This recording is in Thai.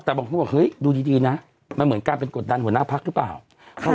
แต่บอกว่าเฮ้ยดูดีนะมันเหมือนการเป็นกฎดันหัวหน้าภักร์หรือเปล่า